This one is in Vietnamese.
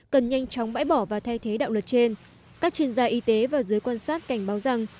cần nhanh chóng bãi bỏ và thay thế đạo luật trên các chuyên gia y tế và giới quan sát cảnh báo rằng